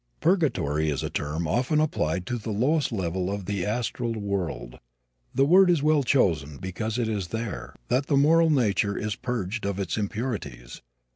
Purgatory is a term often applied to the lowest level of the astral world. The word is well chosen because it is there that the moral nature is purged of its impurities.